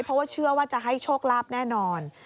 เพราะว่าเชื่อว่าจะให้โชคลาภแน่นอน